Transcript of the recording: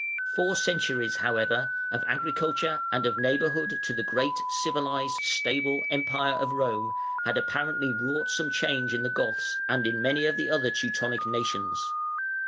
Four centuries, however, of agriculture and of neighbourhood to the great civilised stable Empire of Rome had apparently wrought some change in the Goths and in many of the other Teutonic nations.